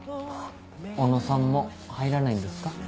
小野さんも入らないんですか？